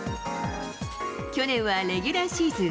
去年はレギュラーシーズン